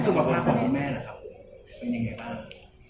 สุขภาพของคุณแม่นะครับเป็นยังไงบ้าง